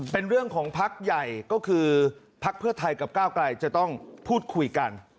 เป็นเรื่องของพักใหญ่ก็คือพักเพื่อไทยกับก้าวไกลจะต้องพูดคุยกัน